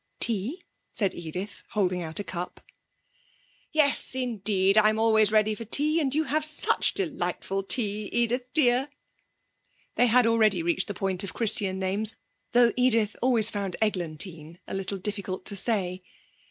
'Tea?' said Edith, holding out a cup. 'Yes, indeed! I'm always ready for tea, and you have such delightful tea, Edith dear!' (They had already reached the point of Christian names, though Edith always found Eglantine a little difficult to say.)